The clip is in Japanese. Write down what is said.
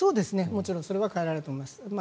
もちろんそれは変えられると思います。